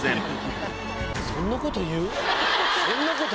そんなこと言う？